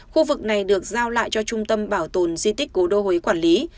khu vực này được giao lại cho trung tâm bảo tồn di tích cố đô huế quản lý